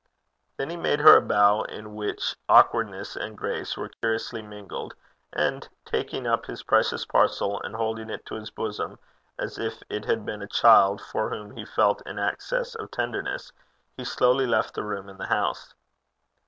Then he made her a bow in which awkwardness and grace were curiously mingled, and taking up his precious parcel, and holding it to his bosom as if it had been a child for whom he felt an access of tenderness, he slowly left the room and the house.